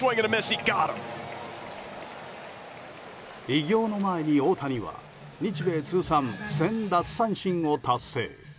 偉業の前に大谷は日米通算１０００奪三振を達成。